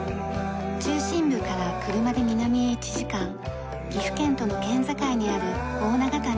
中心部から車で南へ１時間岐阜県との県境にある大長谷。